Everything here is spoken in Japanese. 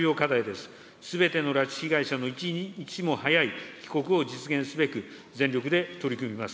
すべての拉致被害者の一日も早い帰国を実現すべく、全力で取り組みます。